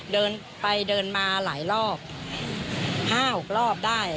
เดินไปเดินมาหลายรอบ๕๖รอบได้